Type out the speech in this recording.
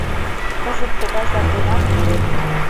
Кызыт тыгай законат уло...